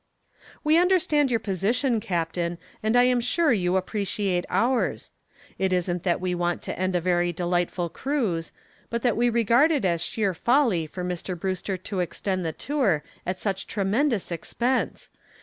"We understand your position, captain, and I am sure you appreciate ours. It isn't that we want to end a very delightful cruise, but that we regard it as sheer folly for Mr. Brewster to extend the tour at such tremendous expense.